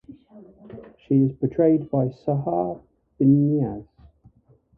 She is portrayed by Sahar Biniaz.